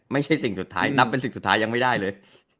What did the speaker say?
ไม่ใช่สิ่งสุดท้ายนับเป็นสิ่งสุดท้ายยังไม่ได้เลย